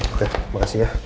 oke makasih ya